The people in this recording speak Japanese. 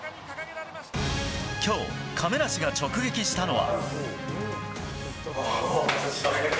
今日、亀梨が直撃したのは。